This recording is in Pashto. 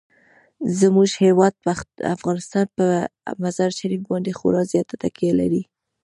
زموږ هیواد افغانستان په مزارشریف باندې خورا زیاته تکیه لري.